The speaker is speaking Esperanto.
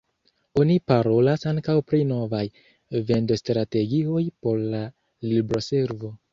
Oni parolas ankaŭ pri novaj vendostrategioj por la libroservo.